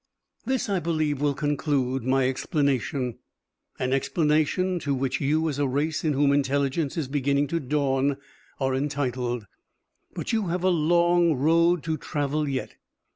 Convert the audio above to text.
"This, I believe, will conclude my explanation, an explanation to which you, as a race in whom intelligence is beginning to dawn, are entitled. But you have a long road to travel yet.